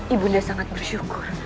ibunda sangat bersyukur